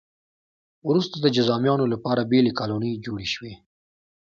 وروسته د جذامیانو لپاره بېلې کالونۍ جوړې شوې.